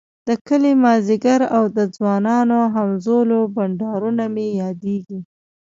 د کلي ماذيګر او د ځوانانو همزولو بنډارونه مي ياديږی